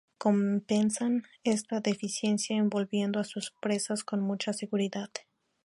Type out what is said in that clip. Compensan esta deficiencia envolviendo a sus presas con mucha seguridad.